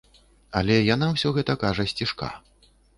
Але яна ўсё гэта кажа сцішка.